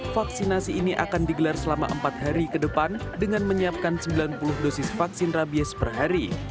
vaksinasi ini akan digelar selama empat hari ke depan dengan menyiapkan sembilan puluh dosis vaksin rabies per hari